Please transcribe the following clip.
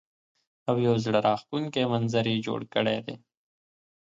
او يو زړۀ راښکونکے منظر يې جوړ کړے دے ـ